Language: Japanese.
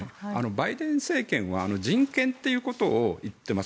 バイデン政権は人権ということを言ってます。